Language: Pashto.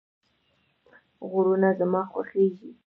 غرونه زما خوښیږي